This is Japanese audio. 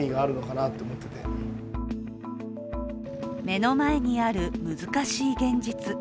目の前にある難しい現実。